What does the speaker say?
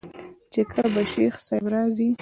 چې کله به شيخ صاحب راځي.